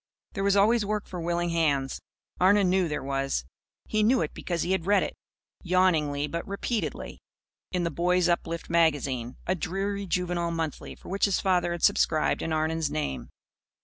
There was always work for willing hands. Arnon knew there was. He knew it because he had read it yawningly but repeatedly in The Boys' Uplift Magazine, a dreary juvenile monthly for which his father had subscribed in Arnon's name.